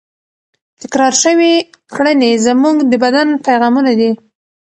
تکرار شوې کړنې زموږ د بدن پیغامونه دي.